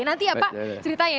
nanti ya pak ceritanya